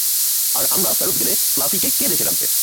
আর আমরা ফেরত গেলে ফ্লাফিকে কে দেখে রাখবে?